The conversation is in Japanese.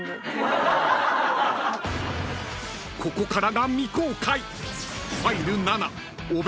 ［ここからが未公開］